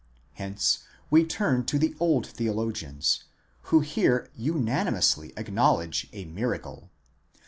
Hence we turn to the old theologians, who here unanimously acknowledge a miracle.